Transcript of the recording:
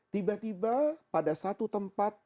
tiba tiba pada satu tempat